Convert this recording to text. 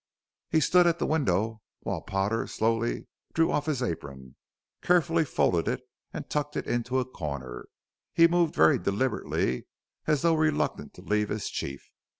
He stood at the window while Potter slowly drew off his apron, carefully folded it and tucked it into a corner. He moved very deliberately, as though reluctant to leave his chief.